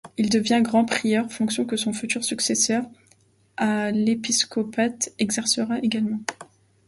Il devient Grand-prieur fonction que son futur successeur à l'épiscopat exercera également.